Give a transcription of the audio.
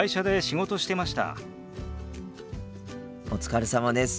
お疲れさまです。